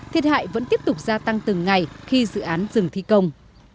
thiệt hại vẫn tiếp tục gia tăng từng ngày khi dự án dừng thi công